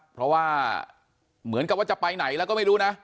เพราะว่าเหมือนกับว่าจะไปไหนแล้วก็ไม่รู้นะ